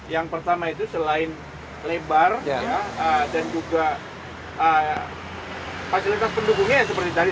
yang pertama itu selain lebar dan juga fasilitas pendukungnya ya seperti tadi